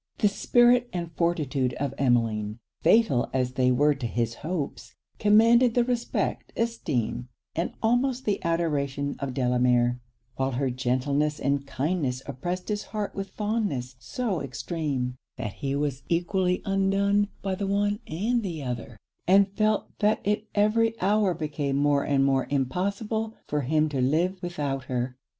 The spirit and fortitude of Emmeline, fatal as they were to his hopes, commanded the respect, esteem, and almost the adoration of Delamere; while her gentleness and kindness oppressed his heart with fondness so extreme, that he was equally undone by the one and the other, and felt that it every hour became more and more impossible for him to live without her.